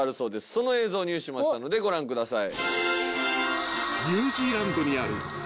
その映像を入手しましたのでご覧ください。